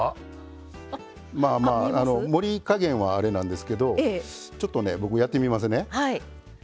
まあまあ、盛り加減はあれなんですけどちょっとね、僕やってみますね。